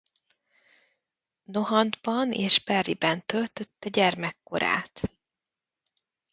Nohant-ban és Berryben töltötte gyermekkorát.